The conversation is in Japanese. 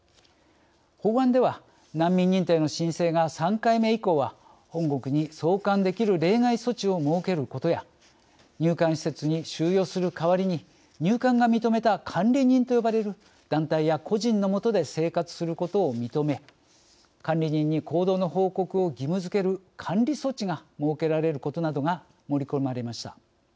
法案では難民認定の申請が３回目以降は本国に送還できる例外措置を設けることや入管施設に収容する代わりに入管が認めた監理人と呼ばれる団体や個人の下で生活することを認め監理人に行動の報告を義務づける監理措置が設けられることなどが盛り込まれました。